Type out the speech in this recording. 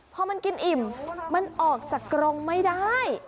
พอมันกินอิ่มมันออกจากกรงไม่ได้